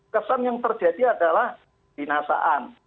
kesan yang terjadi adalah dinasaan